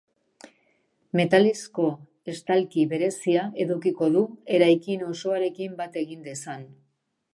Metalezko estalki berezia edukiko du eraikin osoarekin bat egin dezan.